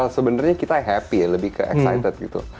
sebenarnya kita happy ya lebih ke excited gitu